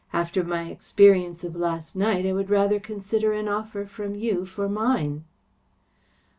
After my experience of last night I would rather consider an offer from you for mine."